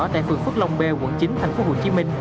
tại phường phước long b quận chín tp hcm